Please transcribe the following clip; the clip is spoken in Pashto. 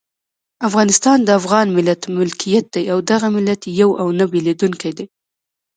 افغانستان د افغان ملت ملکیت دی او دغه ملت یو او نه بېلیدونکی دی.